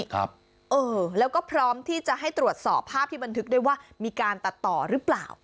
ครับเออแล้วก็พร้อมที่จะให้ตรวจสอบภาพที่บันทึกได้ว่ามีการตัดต่อหรือเปล่า